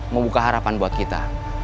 membuka harapan buat kita